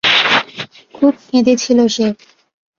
খুব কেঁদেছিল সে।